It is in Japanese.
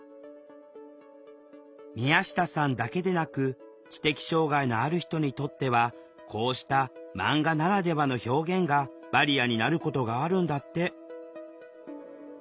宮下さんだけでなく知的障害のある人にとってはこうした「マンガならではの表現」がバリアになることがあるんだって。